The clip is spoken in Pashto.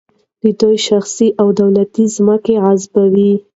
دوی شخصي او دولتي ځمکې غصبوي.